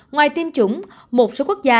ngoài tiêm chủng một số quốc gia